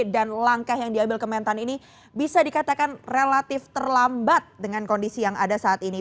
dan langkah yang diambil kementan ini bisa dikatakan relatif terlambat dengan kondisi yang ada saat ini